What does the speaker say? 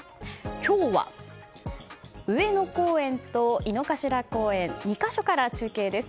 今日は上野公園と井の頭公園２か所から中継です。